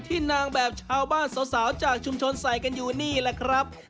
นางแบบชาวบ้านสาวจากชุมชนใส่กันอยู่นี่แหละครับ